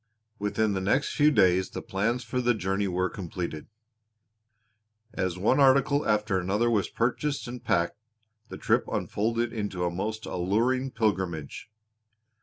Within the next few days the plans for the journey were completed. As one article after another was purchased and packed the trip unfolded into a most alluring pilgrimage.